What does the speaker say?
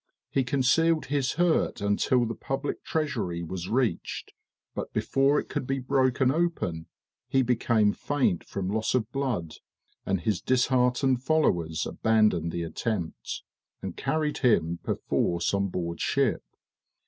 He concealed his hurt until the public treasury was reached; but before it could be broken open, he became faint from loss of blood, and his disheartened followers abandoned the attempt, and carried him perforce on board ship.